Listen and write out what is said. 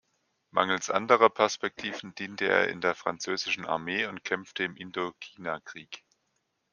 Mangels anderer Perspektiven diente er in der französischen Armee und kämpfte im Indochinakrieg.